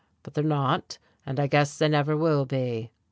But they're not, and I guess they never will be."